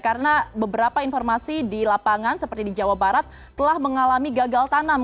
karena beberapa informasi di lapangan seperti di jawa barat telah mengalami gagal tanam